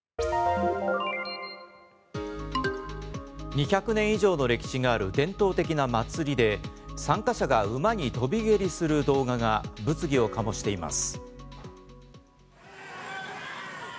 ２００年以上の歴史がある伝統的な祭りで参加者が馬に飛び蹴りする動画が物議を醸しています。